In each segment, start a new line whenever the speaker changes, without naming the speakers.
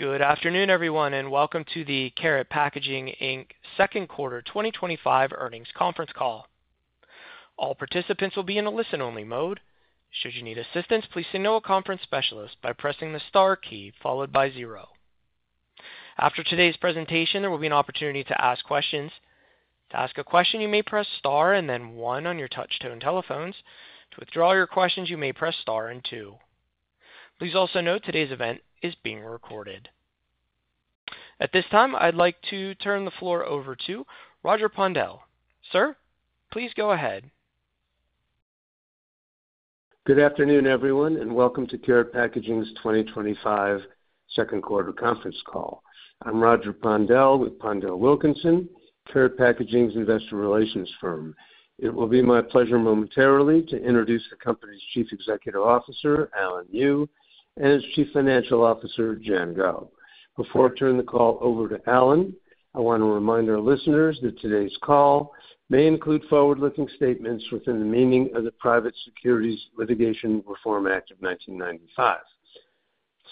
Good afternoon, everyone, and welcome to the Karat Packaging Inc. Second Quarter 2025 Earnings Conference Call. All participants will be in a listen-only mode. Should you need assistance, please say no to a conference specialist by pressing the star key followed by zero. After today's presentation, there will be an opportunity to ask questions. To ask a question, you may press star and then one on your touch-tone telephones. To withdraw your questions, you may press star and two. Please also note today's event is being recorded. At this time, I'd like to turn the floor over to Roger Pondel. Sir, please go ahead.
Good afternoon, everyone, and welcome to Karat Packaging's 2025 Second Quarter Conference Call. I'm Roger Pondel with PondelWilkinson, Karat Packaging's investor relations firm. It will be my pleasure momentarily to introduce the company's Chief Executive Officer, Alan Yu, and its Chief Financial Officer, Jian Guo. Before I turn the call over to Alan, I want to remind our listeners that today's call may include forward-looking statements within the meaning of the Private Securities Litigation Reform Act of 1995.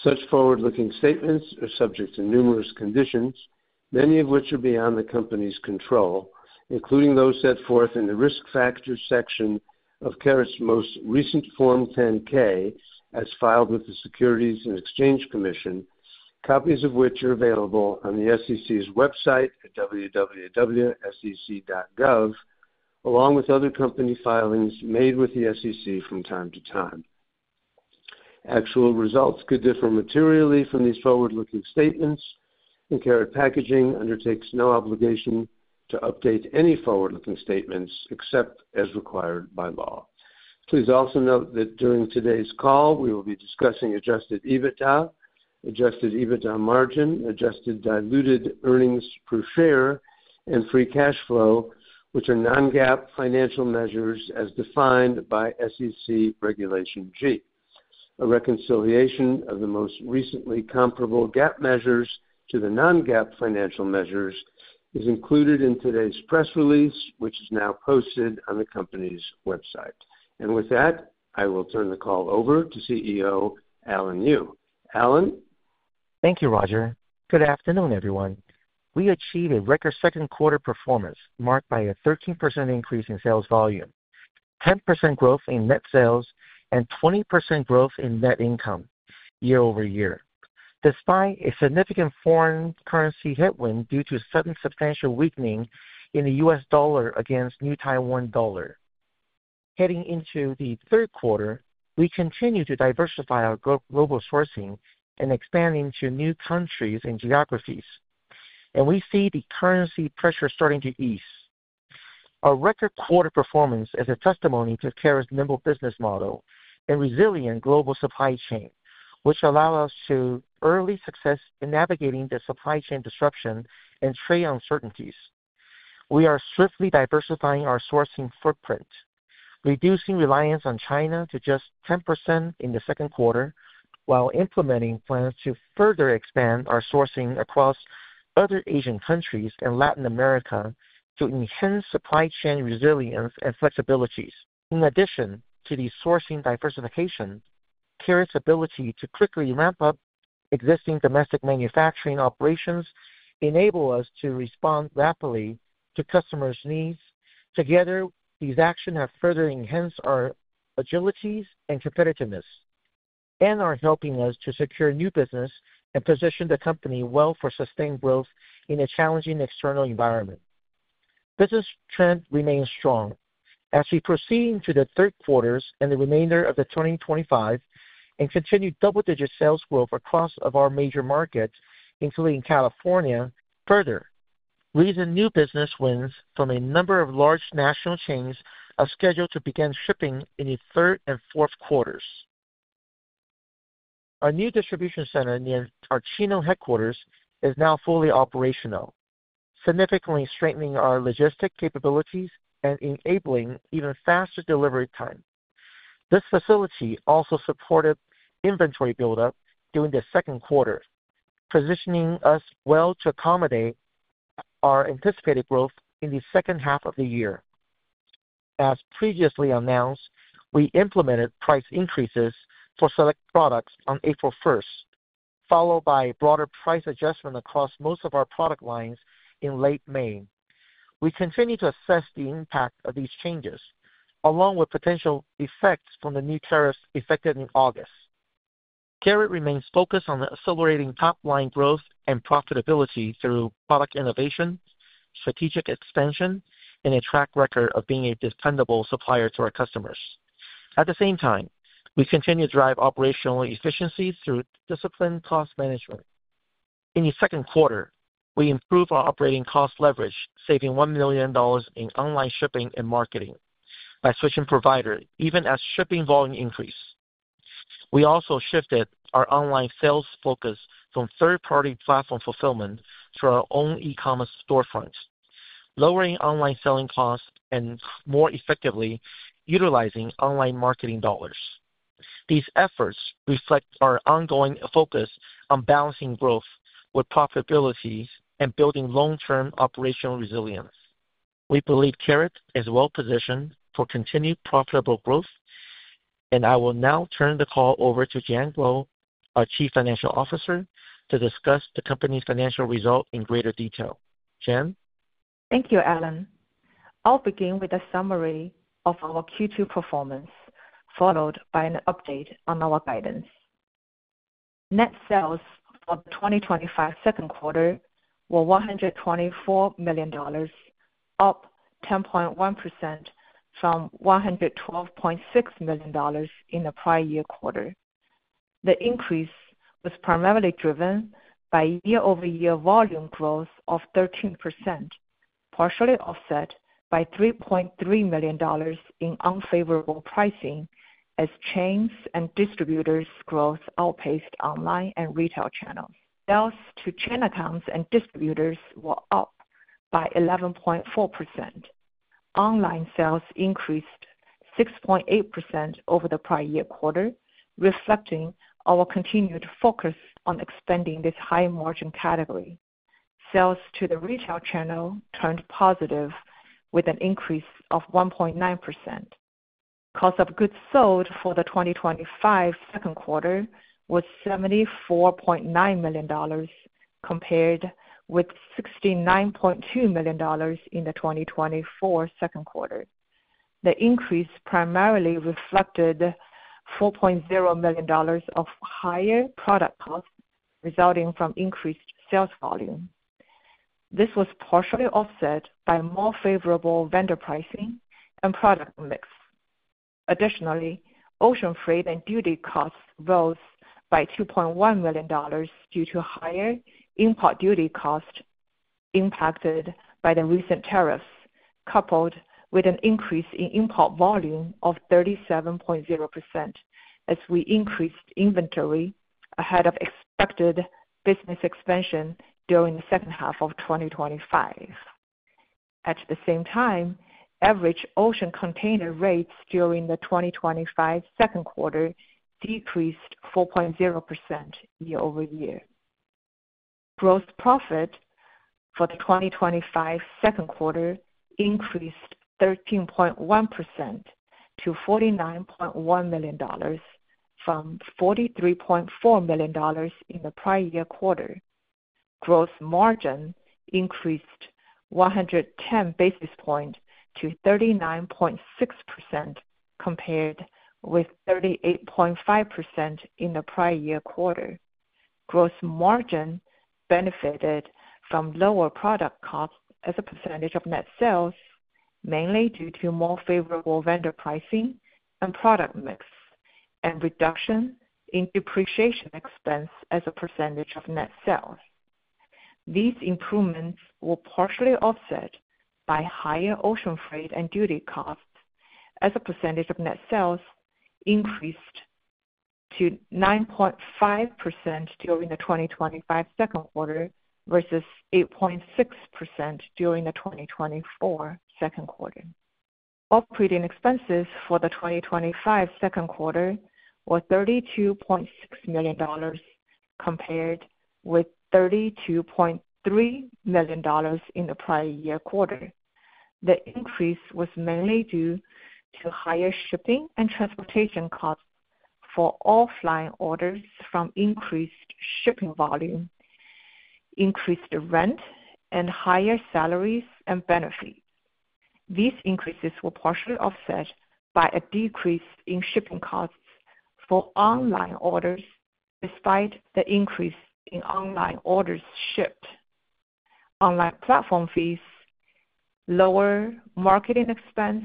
Such forward-looking statements are subject to numerous conditions, many of which are beyond the company's control, including those set forth in the Risk Factors section of Karat's most recent Form 10-K as filed with the Securities and Exchange Commission, copies of which are available on the SEC's website at www.sec.gov, along with other company filings made with the SEC from time to time. Actual results could differ materially from these forward-looking statements, and Karat Packaging Inc. undertakes no obligation to update any forward-looking statements except as required by law. Please also note that during today's call, we will be discussing adjusted EBITDA, adjusted EBITDA margin, adjusted diluted earnings per share, and free cash flow, which are non-GAAP financial measures as defined by SEC Regulation G. A reconciliation of the most recently comparable GAAP measures to the non-GAAP financial measures is included in today's press release, which is now posted on the company's website. With that, I will turn the call over to CEO Alan Yu. Alan.
Thank you, Roger. Good afternoon, everyone. We achieved a record second quarter performance marked by a 13% increase in sales volume, 10% growth in net sales, and 20% growth in net income year-over-year, despite a significant foreign currency headwind due to a sudden substantial weakening in the U.S. dollar against the New Taiwan dollar. Heading into the third quarter, we continue to diversify our global sourcing and expand into new countries and geographies, and we see the currency pressure starting to ease. Our record quarter performance is a testimony to Karat Packaging Inc.'s nimble business model and resilient global supply chain, which allow us to show early success in navigating the supply chain disruption and trade uncertainties. We are swiftly diversifying our sourcing footprint, reducing reliance on China to just 10% in the second quarter, while implementing plans to further expand our sourcing across other Asian countries and Latin American countries to enhance supply chain resilience and flexibilities. In addition to the sourcing diversification, Karat's ability to quickly ramp up existing domestic manufacturing operations enables us to respond rapidly to customers' needs. Together, these actions have further enhanced our agility and competitiveness and are helping us to secure new business and position the company well for sustained growth in a challenging external environment. Business trends remain strong as we proceed into the third quarter and the remainder of 2025 and continue double-digit sales growth across our major markets, including California, further, leading to new business wins from a number of large national chains scheduled to begin shipping in the third and fourth quarters. Our new distribution center near our Chino headquarters is now fully operational, significantly strengthening our logistic capabilities and enabling even faster delivery times. This facility also supported inventory buildup during the second quarter, positioning us well to accommodate our anticipated growth in the second half of the year. As previously announced, we implemented price increases for select products on April 1st, followed by a broader price adjustment across most of our product lines in late May. We continue to assess the impact of these changes, along with potential effects from the new tariffs effective in August. Karat remains focused on accelerating top-line growth and profitability through product innovation, strategic expansion, and a track record of being a dependable supplier to our customers. At the same time, we continue to drive operational efficiency through disciplined cost management. In the second quarter, we improved our operating cost leverage, saving $1 million in online shipping and marketing by switching providers even as shipping volume increased. We also shifted our online sales focus from third-party platform fulfillment to our own e-commerce storefronts, lowering online selling costs and more effectively utilizing online marketing dollars. These efforts reflect our ongoing focus on balancing growth with profitability and building long-term operational resilience. We believe Karat is well-positioned for continued profitable growth, and I will now turn the call over to Jian Guo, our Chief Financial Officer, to discuss the company's financial results in greater detail. Jian?
Thank you, Alan. I'll begin with a summary of our Q2 performance, followed by an update on our guidance. Net sales for the 2025 second quarter were $124 million, up 10.1% from $112.6 million in the prior year quarter. The increase was primarily driven by year-over-year volume growth of 13%, partially offset by $3.3 million in unfavorable pricing as chains and distributors' growth outpaced online and retail channels. Sales to chain accounts and distributors were up by 11.4%. Online sales increased 6.8% over the prior year quarter, reflecting our continued focus on expanding this high-margin category. Sales to the retail channel turned positive with an increase of 1.9%. Cost of goods sold for the 2025 second quarter was $74.9 million, compared with $69.2 million in the 2024 second quarter. The increase primarily reflected $4.0 million of higher product costs resulting from increased sales volume. This was partially offset by more favorable vendor pricing and product mix. Additionally, ocean freight and duty costs rose by $2.1 million due to higher import duty costs impacted by the recent tariffs, coupled with an increase in import volume of 37.0% as we increased inventory ahead of expected business expansion during the second half of 2025. At the same time, average ocean container rates during the 2025 second quarter decreased 4.0% year-over-year. Gross profit for the 2025 second quarter increased 13.1% to $49.1 million from $43.4 million in the prior year quarter. Gross margin increased 110 basis points to 39.6% compared with 38.5% in the prior year quarter. Gross margin benefited from lower product costs as a percentage of net sales, mainly due to more favorable vendor pricing and product mix, and a reduction in depreciation expense as a percentage of net sales. These improvements were partially offset by higher ocean freight and duty costs, as a percentage of net sales increased to 9.5% during the 2025 second quarter versus 8.6% during the 2024 second quarter. Operating expenses for the 2025 second quarter were $32.6 million compared with $32.3 million in the prior year quarter. The increase was mainly due to higher shipping and transportation costs for offline orders from increased shipping volume, increased rent, and higher salaries and benefits. These increases were partially offset by a decrease in shipping costs for online orders despite the increase in online orders shipped. Online platform fees, lower marketing expense,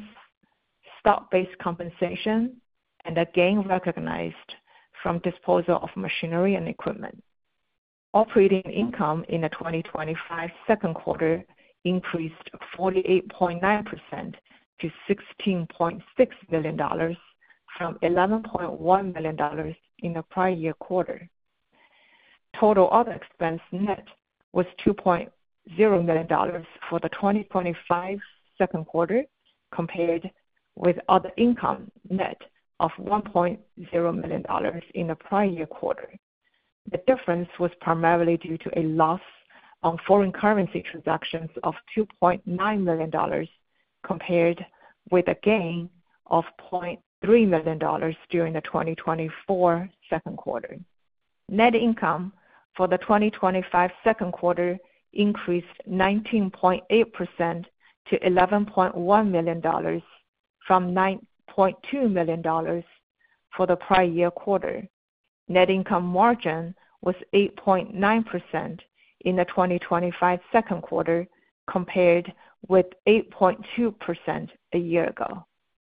stock-based compensation, and the gain recognized from the disposal of machinery and equipment. Operating income in the 2025 second quarter increased 48.9% to $16.6 million from $11.1 million in the prior year quarter. Total other expense net was $2.0 million for the 2025 second quarter compared with other income net of $1.0 million in the prior year quarter. The difference was primarily due to a loss on foreign currency transactions of $2.9 million compared with a gain of $0.3 million during the 2024 second quarter. Net income for the 2025 second quarter increased 19.8% to $11.1 million from $9.2 million for the prior year quarter. Net income margin was 8.9% in the 2025 second quarter compared with 8.2% a year ago.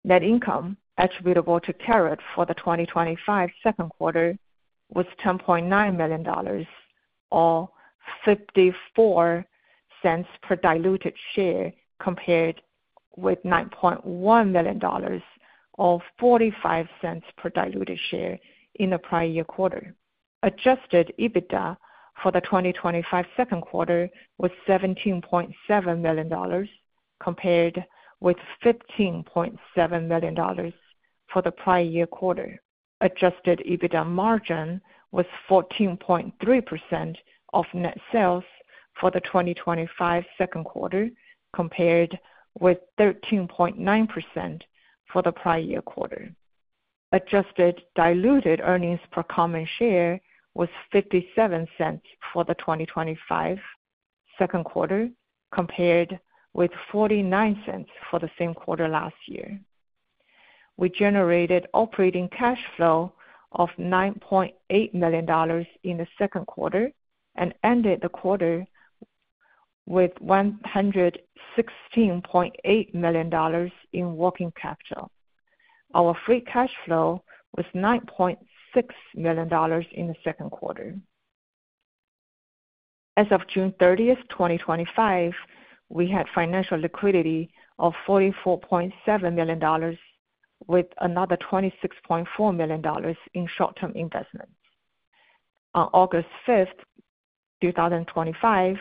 Net income attributable to Karat for the 2025 second quarter was $10.9 million or $0.54 per diluted share compared with $9.1 million or $0.45 per diluted share in the prior year quarter. Adjusted EBITDA for the 2025 second quarter was $17.7 million compared with $15.7 million for the prior year quarter. Adjusted EBITDA margin was 14.3% of net sales for the 2025 second quarter compared with 13.9% for the prior year quarter. Adjusted diluted earnings per common share was $0.57 for the 2025 second quarter compared with $0.49 for the same quarter last year. We generated operating cash flow of $9.8 million in the second quarter and ended the quarter with $116.8 million in working capital. Our free cash flow was $9.6 million in the second quarter. As of June 30, 2025, we had financial liquidity of $44.7 million with another $26.4 million in short-term investments. On August 5th, 2025,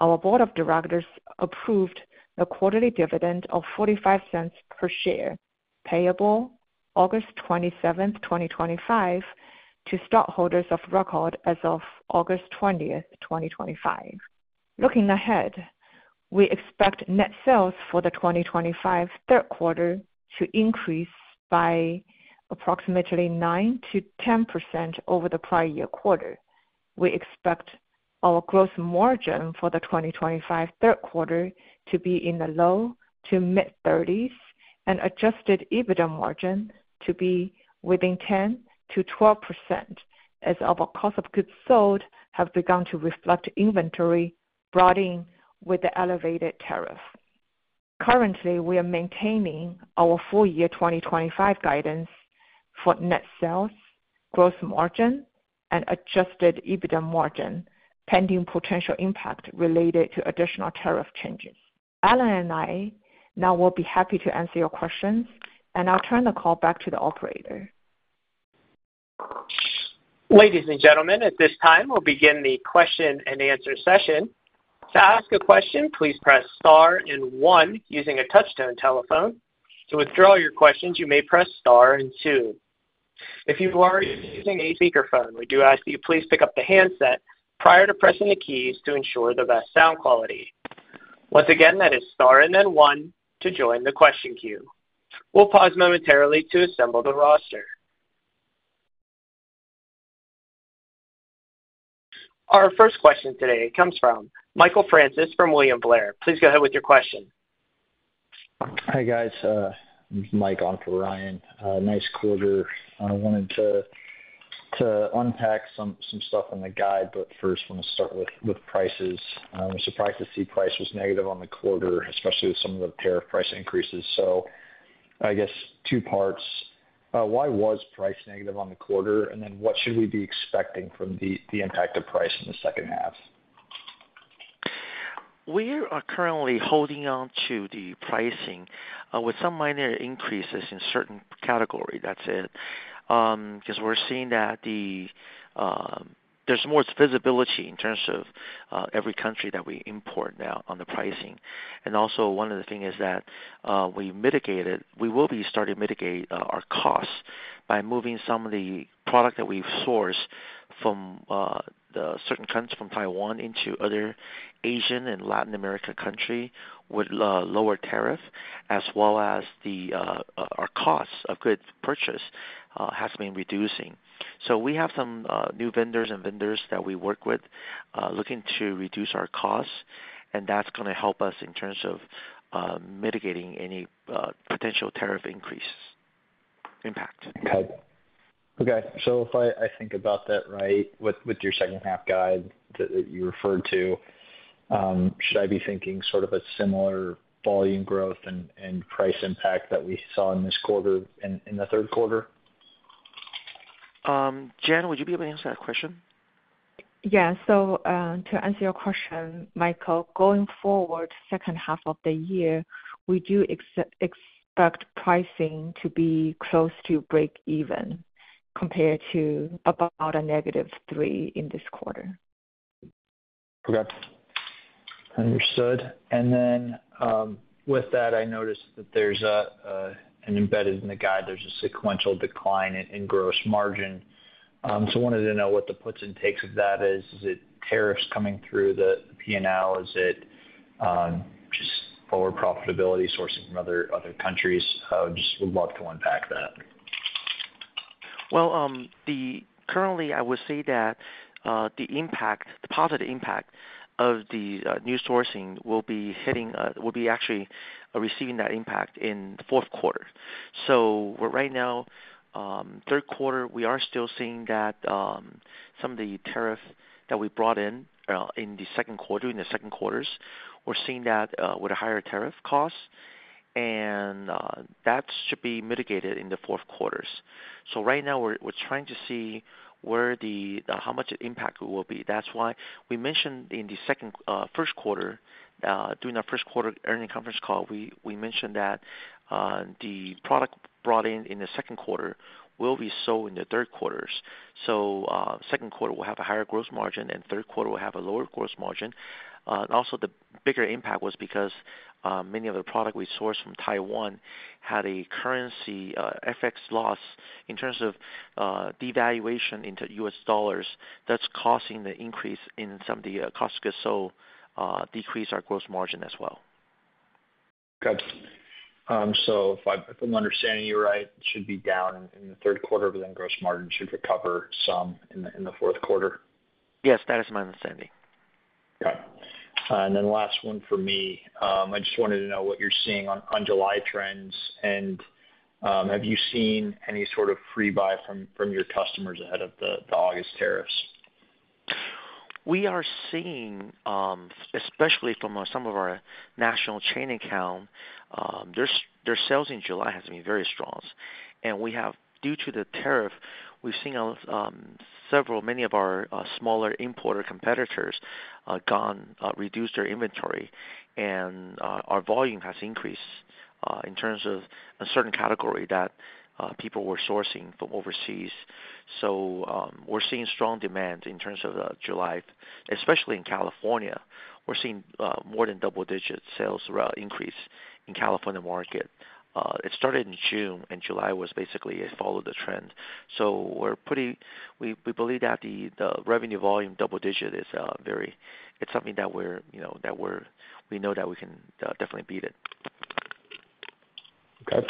our Board of Directors approved a quarterly dividend of $0.45 per share payable August 27, 2025, to stockholders of record as of August 20, 2025. Looking ahead, we expect net sales for the 2025 third quarter to increase by approximately 9%-10% over the prior year quarter. We expect our gross margin for the 2025 third quarter to be in the low to mid-30s and adjusted EBITDA margin to be within 10%-12% as our cost of goods sold has begun to reflect inventory brought in with the elevated tariff. Currently, we are maintaining our full-year 2025 guidance for net sales, gross margin, and adjusted EBITDA margin pending potential impact related to additional tariff changes. Alan and I now will be happy to answer your questions, and I'll turn the call back to the operator.
Ladies and gentlemen, at this time, we'll begin the question-and-answer session. To ask a question, please press star and one using a touch-tone telephone. To withdraw your questions, you may press star and two. If you've largely seen a speakerphone, we do ask that you please pick up the handset prior to pressing the keys to ensure the best sound quality. Once again, that is star and then one to join the question queue. We'll pause momentarily to assemble the roster. Our first question today comes from Michael Francis from William Blair. Please go ahead with your question.
Hey, guys. This is Mike on for Ryan. Nice quarter. I wanted to unpack some stuff on the guide, but first, I want to start with prices. I was surprised to see price was negative on the quarter, especially with some of the tariff price increases. I guess two parts. Why was price negative on the quarter? What should we be expecting from the impact of price in the second half?
We are currently holding on to the pricing with some minor increases in certain categories. That's it. We're seeing that there's more visibility in terms of every country that we import now on the pricing. One of the things is that we mitigated, we will be starting to mitigate our costs by moving some of the products that we've sourced from certain countries from Taiwan into other Asian and Latin American countries with lower tariffs, as well as our costs of goods purchase have been reducing. We have some new vendors and vendors that we work with looking to reduce our costs, and that's going to help us in terms of mitigating any potential tariff increase impact.
Okay. If I think about that, with your second-half guide that you referred to, should I be thinking sort of a similar volume growth and price impact that we saw in this quarter in the third quarter?
Jian, would you be able to answer that question?
Yeah, to answer your question, Michael, going forward, the second half of the year, we do expect pricing to be close to break even, compared to about a -3% in this quarter.
Okay. Understood. I noticed that there's an embedded in the guide, there's a sequential decline in gross margin. I wanted to know what the puts and takes of that is. Is it tariff coming through the P&L? Is it forward profitability sourcing from other countries? I just would love to unpack that.
Currently, I would say that the impact, the positive impact of the new sourcing will be hitting, will be actually receiving that impact in the fourth quarter. Right now, third quarter, we are still seeing that some of the tariffs that we brought in in the second quarter, in the second quarters, we're seeing that with a higher tariff cost, and that should be mitigated in the fourth quarters. Right now, we're trying to see how much impact it will be. That's why we mentioned in the first quarter, during our First Quarter Earning Conference Call, we mentioned that the product brought in in the second quarter will be sold in the third quarters. Second quarter will have a higher gross margin, and third quarter will have a lower gross margin. Also, the bigger impact was because many of the products we sourced from Taiwan had a currency FX loss in terms of devaluation into U.S. dollars. That's causing the increase in some of the costs to sell decreased our gross margin as well.
Okay, if I'm understanding you right, it should be down in the third quarter, but then gross margin should recover some in the fourth quarter?
Yes, that is my understanding.
Okay. The last one for me, I just wanted to know what you're seeing on July trends, and have you seen any sort of freebuy from your customers ahead of the August tariffs?
We are seeing, especially from some of our national chain accounts, their sales in July have been very strong. Due to the tariff, we've seen several, many of our smaller importer competitors reduce their inventory, and our volume has increased in terms of a certain category that people were sourcing from overseas. We're seeing strong demand in terms of July, especially in California. We're seeing more than double-digit sales increase in the California market. It started in June, and July basically followed the trend. We're pretty, we believe that the revenue volume double-digit is very, it's something that we know that we can definitely beat.
Okay,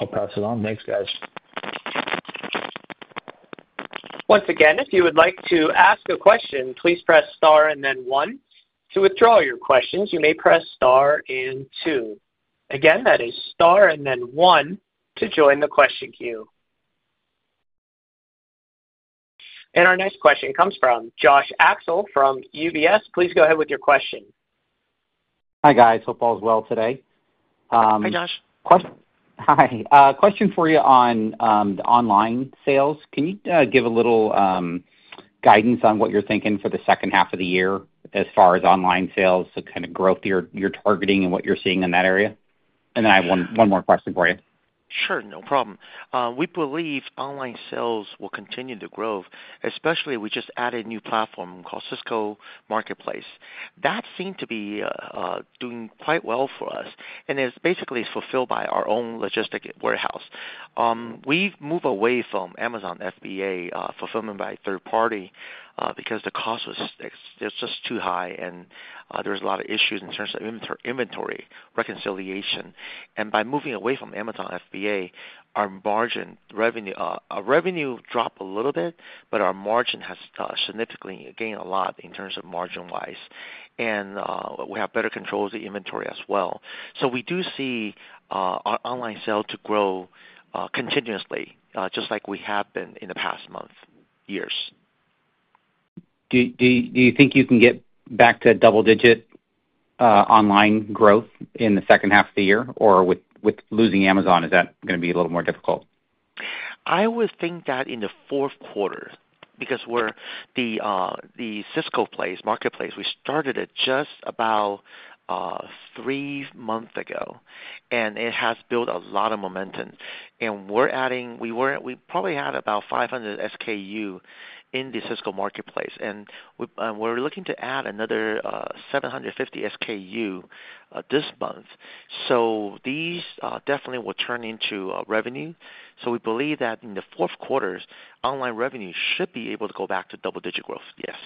I'll pass it on. Thanks, guys.
Once again, if you would like to ask a question, please press star and then one. To withdraw your questions, you may press star and two. Again, that is star and then one to join the question queue. Our next question comes from Josh Axel from UBS. Please go ahead with your question.
Hi, guys. Hope all is well today.
Hi, Josh.
Hi. Question for you on the online sales. Can you give a little guidance on what you're thinking for the second half of the year as far as online sales, the kind of growth you're targeting, and what you're seeing in that area? I have one more question for you.
Sure. No problem. We believe online sales will continue to grow, especially since we just added a new platform called Cisco Marketplace. That seems to be doing quite well for us, and it's basically fulfilled by our own logistics warehouse. We've moved away from Amazon FBA fulfillment by a third party because the cost was just too high, and there were a lot of issues in terms of inventory reconciliation. By moving away from Amazon FBA, our revenue dropped a little bit, but our margin has significantly gained a lot in terms of margin-wise. We have better control of the inventory as well. We do see our online sales to grow continuously, just like we have been in the past months, years.
Do you think you can get back to double-digit online growth in the second half of the year, or with losing Amazon, is that going to be a little more difficult?
I would think that in the fourth quarter, because we're the Cisco Marketplace, we started it just about three months ago, and it has built a lot of momentum. We're adding, we probably had about 500 SKUs in the Cisco Marketplace, and we're looking to add another 750 SKUs this month. These definitely will turn into revenue. We believe that in the fourth quarter, online revenue should be able to go back to double-digit growth, yes.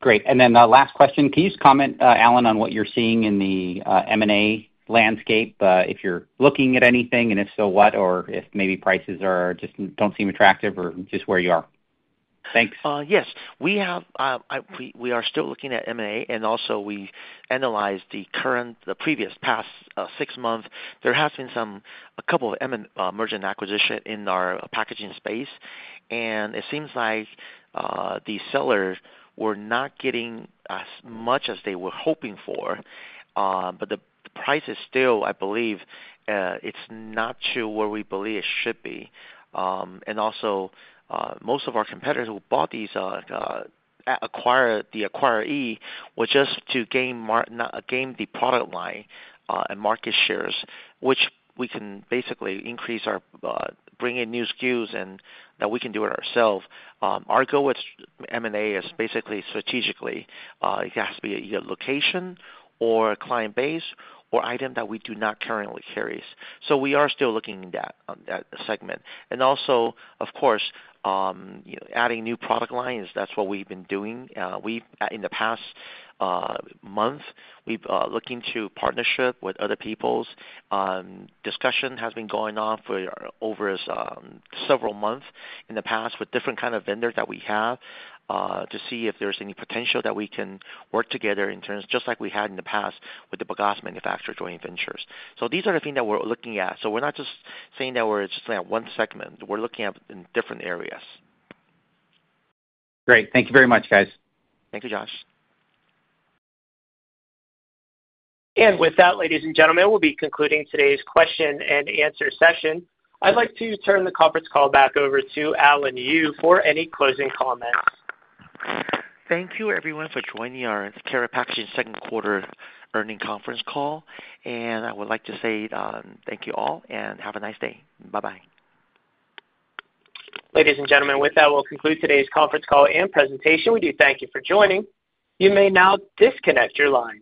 Great. Last question, can you just comment, Alan, on what you're seeing in the M&A landscape, if you're looking at anything, and if so, what, or if maybe prices just don't seem attractive or just where you are? Thanks.
Yes. We are still looking at M&A, and also we analyzed the current, the previous past six months. There has been a couple of mergers and acquisitions in our packaging space, and it seems like the sellers were not getting as much as they were hoping for. The price is still, I believe, it's not to where we believe it should be. Also, most of our competitors who bought these, the acquirer, it was just to gain the product line and market shares, which we can basically increase by bringing new SKUs, and that we can do ourselves. Our goal with M&A is basically strategically, it has to be either location or a client base or item that we do not currently carry. We are still looking at that segment. Also, of course, adding new product lines, that's what we've been doing. In the past month, we've looked into partnership with other people. Discussion has been going on for over several months in the past with different kinds of vendors that we have to see if there's any potential that we can work together in terms of just like we had in the past with the bagasse manufacturer joint ventures. These are the things that we're looking at. We're not just saying that we're just looking at one segment. We're looking at different areas.
Great. Thank you very much, guys. Thank you, Josh.
With that, ladies and gentlemen, we'll be concluding today's question-and-answer session. I'd like to turn the conference call back over to Alan Yu for any closing comments.
Thank you, everyone, for joining our Karat Packaging Second Quarter Earning Conference Call. I would like to say thank you all and have a nice day. Bye-bye.
Ladies and gentlemen, with that, we'll conclude today's conference call and presentation. We do thank you for joining. You may now disconnect your line.